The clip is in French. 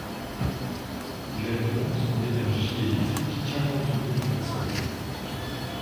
Il alimente en énergie électrique quarante mille personnes.